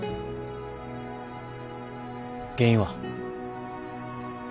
原因は？え？